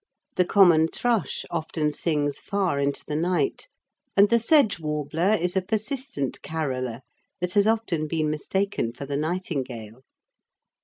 The common thrush often sings far into the night, and the sedge warbler is a persistent caroller that has often been mistaken for the nightingale.